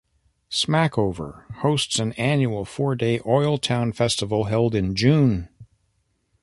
Smackover hosts an annual four-day Oil Town Festival held in June.